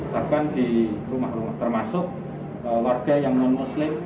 bahkan di rumah rumah termasuk warga yang non muslim